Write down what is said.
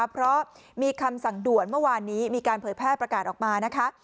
เพราะมีคำสั่งด่วนเมื่อวานนี้มีการเผยแพร่ประกาศออกมานะคะ